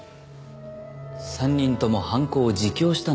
３人とも犯行を自供したんでしょう？